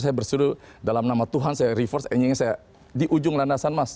saya berseru dalam nama tuhan saya reverse engine nya saya di ujung landasan mas